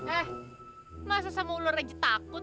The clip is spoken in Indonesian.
eh masa sama ular aja takut